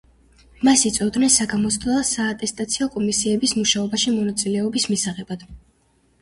მას იწვევდნენ საგამოცდო და საატესტაციო კომისიების მუშაობაში მონაწილეობის მისაღებად.